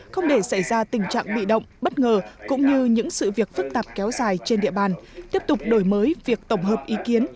không để xảy ra tình trạng bị động bất ngờ cũng như những sự việc phức tạp kéo dài trên địa bàn tiếp tục đổi mới việc tổng hợp ý kiến